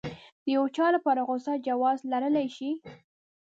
د يو چا لپاره غوسه جواز لرلی شي.